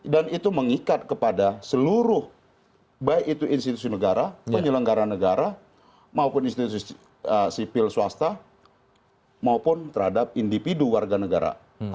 dan itu mengikat kepada seluruh baik itu institusi negara penyelenggara negara maupun institusi sipil swasta maupun terhadap individu warga negara